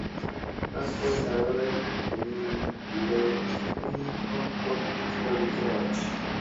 তারপর কারাগারের লীেহকপট খোলার বিকট আওয়াজ।